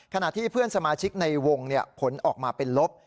ขณะที่เพื่อนสมาชิกในวงผลออกมาเป็นลบ